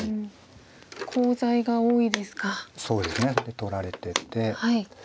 取られてて。